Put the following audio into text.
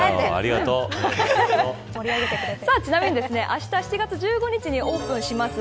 ちなみに、あした７月１５日にオープンします